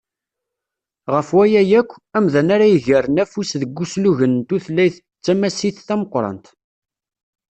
Γef waya akk, amdan ara yegren afus deg uslugen n tutlayt d tamasit tameqqrant.